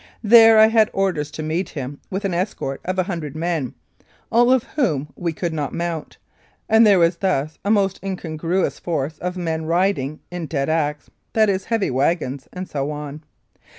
There I had orders to meet him with an escort of a hundred men, all of whom we could not mount, and there was thus a most incongruous force of men riding in dead axe (that is "heavy ") wagons, and so on.